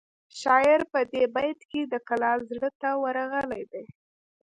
شاعر په دې بیت کې د کلال زړه ته ورغلی دی